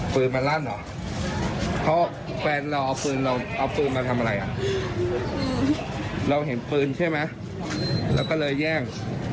เพราะแฟนเราเอาปืนมาทำอะไรอ่ะเราเห็นปืนใช่ไหมเราก็เลยแย่ง